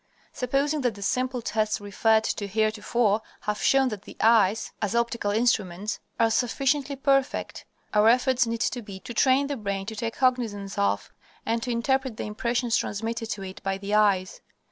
Supposing that the simple tests referred to heretofore have shown that the eyes, as optical instruments, are sufficiently perfect, our efforts need to be to train the brain to take cognizance of, and to interpret the impressions transmitted to it by the eyes.